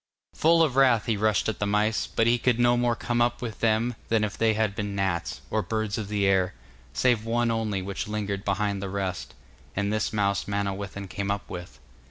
Full of wrath he rushed at the mice, but he could no more come up with them than if they had been gnats, or birds of the air, save one only which lingered behind the rest, and this mouse Manawyddan came up with.